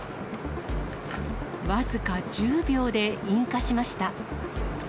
僅か１０秒で引火しました。